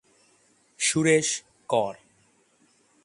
Suresh Kr.